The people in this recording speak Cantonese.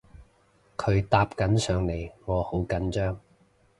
佢搭緊上嚟我好緊張